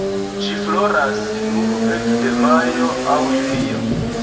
Ĝi floras nur ekde majo aŭ junio.